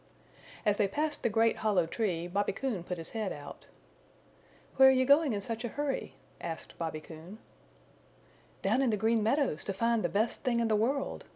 As they passed the great hollow tree Bobby Coon put his head out. "Where are you going in such a hurry?" asked Bobby Coon. "Down in the Green Meadows to find the Best Thing in the World!"